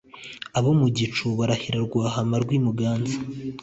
Abo mu gicu birahira Rwahama rw’i Muganza.